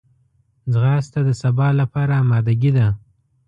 ځغاسته د سبا لپاره آمادګي ده